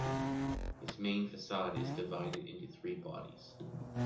This main façade is divided into three bodies.